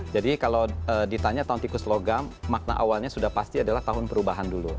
jadi kalau ditanya tahun tikus logam makna awalnya sudah pasti adalah tahun perubahan dulu